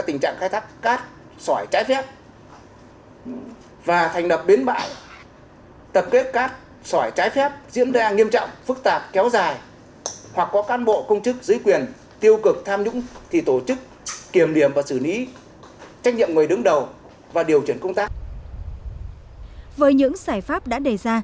tình trạng khai thác cát ở đây diễn ra khá phức tạp số tiền xử phạt vi phạm hành chính gần một trăm linh triệu đồng